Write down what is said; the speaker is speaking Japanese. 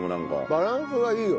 バランスがいいよ。